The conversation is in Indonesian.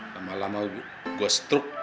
lama lama gua struk